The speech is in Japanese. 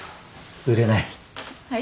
売れない。